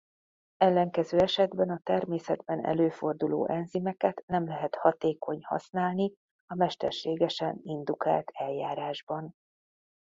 Ellenkező esetben a természetben előforduló enzimeket nem lehet hatékony használni a mesterségesen indukált eljárásban.